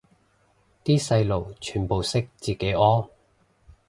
啲細路全部識自己屙